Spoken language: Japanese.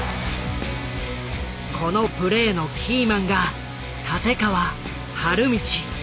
このプレーのキーマンが立川理道。